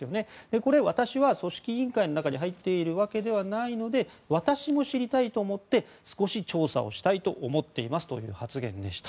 これ、私は組織委員会の中に入っているわけではないので私も知りたいと思って少し調査をしたいと思っていますという発言でした。